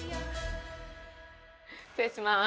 失礼します。